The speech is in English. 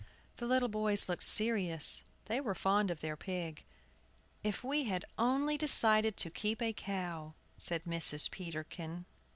The little boys looked serious; they were fond of their pig. "If we had only decided to keep a cow," said Mrs. Peterkin.